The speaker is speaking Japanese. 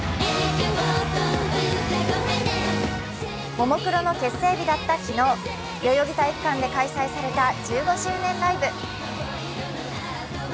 ももクロの結成日だった昨日、代々木体育館で開催された１５周年ライブ。